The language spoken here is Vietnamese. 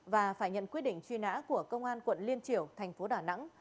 và phải nhận quyết định truy nã của cơ quan quận liên triểu tp đà nẵng